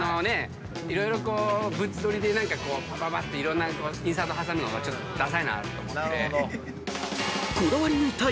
色々こう物撮りでぱぱぱっていろんなインサート挟むのがちょっとダサいなと思って。